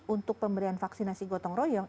untuk pemberian vaksinasi gotong royong